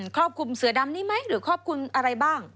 ครอบคลุมเสือดำนี้ไหมหรือครอบคลุมอะไรบ้าง